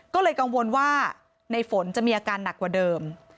ก็เลยกังวลว่าในฝนจะมีอาการหนักกว่าเดิม